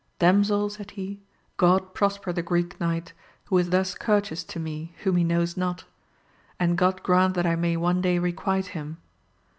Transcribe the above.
Damsel, said he, God prosper the Greek Knight, who is thus courteous to me, whom he knows not ; and God grant that I may one day requite him.